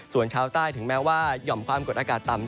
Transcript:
ส่วนชาวใต้ถึงแม้ว่าหย่อมความกดอากาศต่ำ